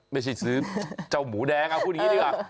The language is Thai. ไม่ใช่ซื้อเจ้าหมูแดงเอาพูดอย่างนี้ดีกว่า